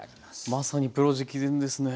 まさにプロ直伝ですね。